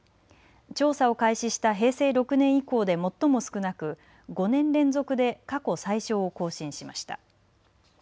調査を開始した平成６年以降で最も少なく５年連続で過去最少を更新しました。